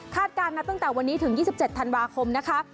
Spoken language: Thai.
การนับตั้งแต่วันนี้ถึง๒๗ธันวาคมนะคะ